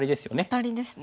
アタリですね。